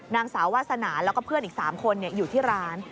นางสาววาสนาแล้วก็เพื่อนอีก๓คนอยู่ที่ร้าน